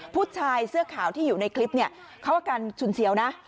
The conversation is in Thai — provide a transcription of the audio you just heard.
ผู้ชายเสื้อขาวที่อยู่ในคลิปเนี่ยเขาอาการฉุนเฉียวนะ